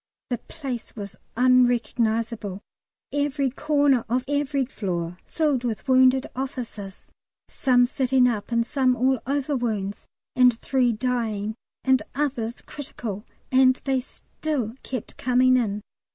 The place was unrecognisable: every corner of every floor filled with wounded officers some sitting up and some all over wounds, and three dying and others critical; and they still kept coming in.